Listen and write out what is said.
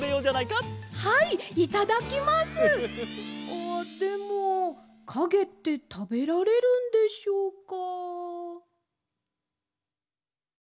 あっでもかげってたべられるんでしょうか？